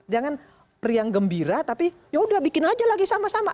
jangan riang gembira tapi ya udah bikin aja lagi sama sama